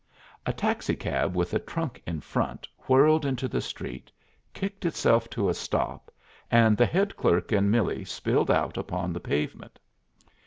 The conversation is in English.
A taxicab with a trunk in front whirled into the street, kicked itself to a stop, and the head clerk and Millie spilled out upon the pavement.